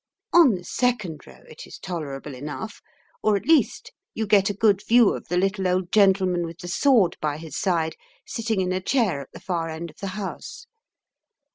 On the second row it is tolerable enough, or at least you get a good view of the little old gentleman with the sword by his side sitting in a chair at the far end of the House.